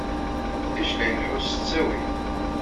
Leqdic la ileḥḥu s ttawil.